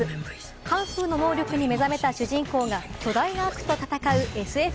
カンフーの能力に目覚めた主人公が巨大な悪と戦うＳＦ